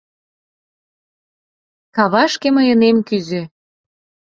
Кавашке мый ынем кӱзӧ...